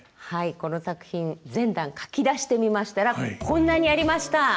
はいこの作品全段書き出してみましたらこんなにありました！